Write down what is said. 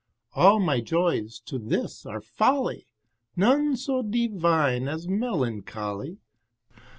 All my joys to this are folly, None so divine as melancholy.